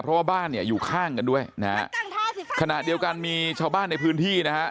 เพราะว่าบ้านอยู่ข้างกันด้วยขณะเดียวกันมีชาวบ้านในพื้นที่